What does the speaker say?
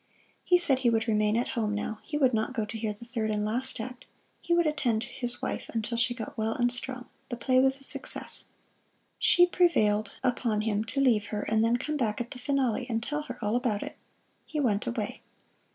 He said he would remain at home now, he would not go to hear the third and last act. He would attend his wife until she got well and strong. The play was a success! She prevailed upon him to leave her and then come back at the finale and tell her all about it. He went away.